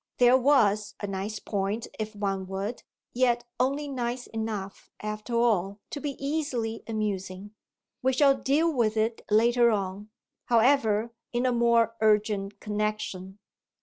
There was a nice point if one would yet only nice enough, after all, to be easily amusing. We shall deal with it later on, however, in a more urgent connexion.